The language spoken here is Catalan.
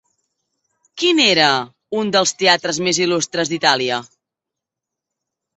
Quin era un dels teatres més il·lustres d'Itàlia?